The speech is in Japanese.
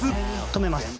止めます。